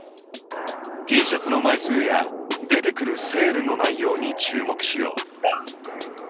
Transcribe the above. Ｔシャツの枚数や出てくるセールの内容に注目しよう。